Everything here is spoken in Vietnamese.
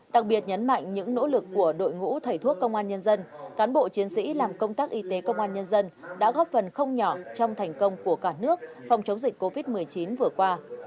đặc biệt nhấn mạnh những nỗ lực của đội ngũ thầy thuốc công an nhân dân cán bộ chiến sĩ làm công tác y tế công an nhân dân đã góp phần không nhỏ trong thành công của cả nước phòng chống dịch covid một mươi chín vừa qua